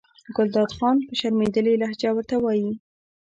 ګلداد خان په شرمېدلې لهجه ورته وایي.